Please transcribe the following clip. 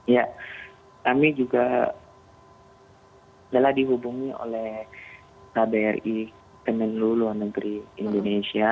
ya kami juga telah dihubungi oleh kbri kemenlu luar negeri indonesia